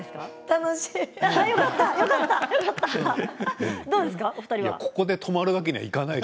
楽しい。